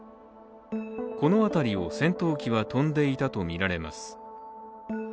この辺りを戦闘機は飛んでいたとみられます。